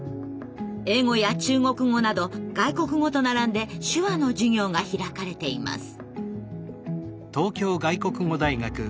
英語や中国語など外国語と並んで手話の授業が開かれています。